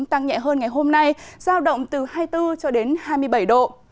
tăng nhẹ hơn ngày hôm nay giao động từ hai mươi bốn hai mươi bảy độ